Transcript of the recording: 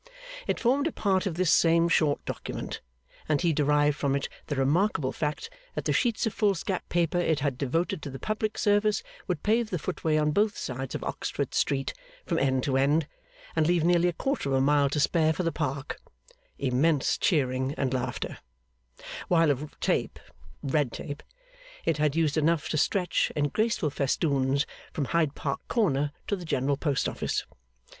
It formed a part of this same short document; and he derived from it the remarkable fact that the sheets of foolscap paper it had devoted to the public service would pave the footways on both sides of Oxford Street from end to end, and leave nearly a quarter of a mile to spare for the park (Immense cheering and laughter); while of tape red tape it had used enough to stretch, in graceful festoons, from Hyde Park Corner to the General Post Office.